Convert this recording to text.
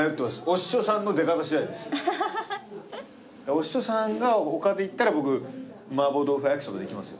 お師匠さんが他でいったら僕麻婆豆腐焼きそばでいきます。